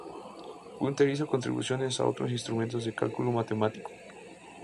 Gunter hizo contribuciones a otros instrumentos de cálculo matemático.